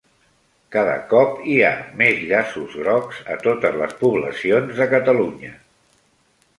Cada cop hi ha més llaços grocs a totes les poblacions de Catalunya